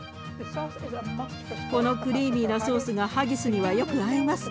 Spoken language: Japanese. このクリーミーなソースがハギスにはよく合います。